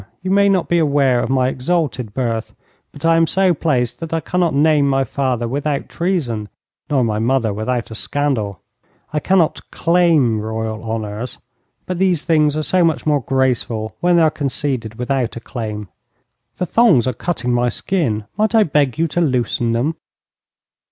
You may not be aware of my exalted birth, but I am so placed that I cannot name my father without treason, nor my mother without a scandal. I cannot claim Royal honours, but these things are so much more graceful when they are conceded without a claim. The thongs are cutting my skin. Might I beg you to loosen them?'